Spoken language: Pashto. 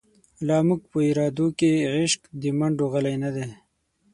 لا زموږ په ارادو کی، عشق د مڼډو غلۍ نه دۍ